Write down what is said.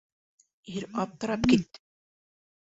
Ир аптырап китте.